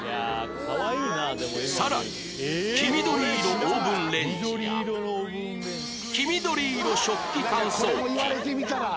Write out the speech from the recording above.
さらに黄緑色オーブンレンジや黄緑色食器乾燥機